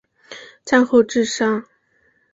战后自杀。